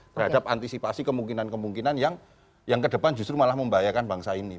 terhadap antisipasi kemungkinan kemungkinan yang ke depan justru malah membahayakan bangsa ini